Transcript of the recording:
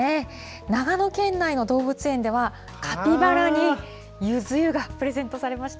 長野県内の動物園では、カピバラにゆず湯がプレゼントされました。